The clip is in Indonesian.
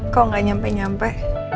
kok gak nyampe nyampe